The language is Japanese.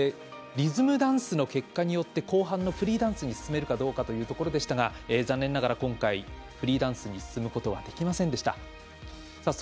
リズムダンスの結果によって後半のフリーダンスに進めるかどうかというところでしたが残念ながらフリーダンスに進むことはできませんでした。